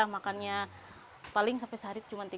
makannya paling sampai sehari cuma tiga puluh